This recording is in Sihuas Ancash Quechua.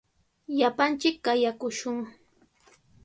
Llapanchik qayakushun.